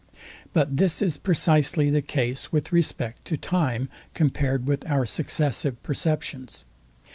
But this is precisely the case with respect to time, compared with our successive perceptions.